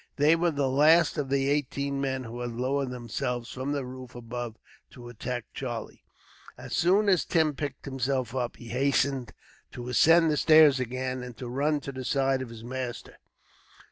They were the last of the eighteen men who had lowered themselves, from the roof above, to attack Charlie. As soon as Tim picked himself up, he hastened to ascend the stairs again, and to run to the side of his master.